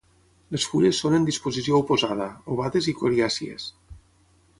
Les fulles són en disposició oposada, ovades i coriàcies.